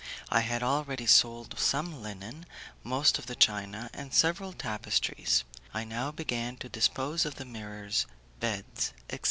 I had already sold some linen, most of the china, and several tapestries; I now began to dispose of the mirrors, beds, etc.